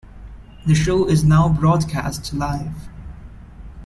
The show is now broadcast live.